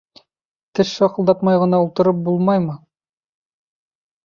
Теш шаҡылдатмай ғына ултырып булмаймы?